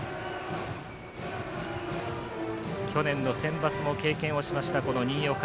去年のセンバツも経験をしましたこの新岡。